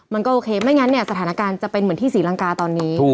มันก็โอเคไม่งั้นเนี่ยสถานการณ์จะเป็นเหมือนที่ศรีลังกาตอนนี้